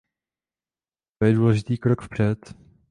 To je důležitý krok vpřed.